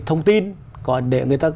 thông tin để người ta